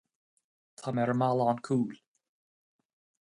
Tá mé ar an mballán cúil